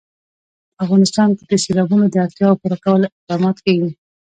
په افغانستان کې د سیلابونو د اړتیاوو پوره کولو اقدامات کېږي.